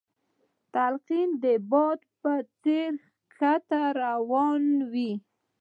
تلقين د باد په څېر کښتۍ روانوي.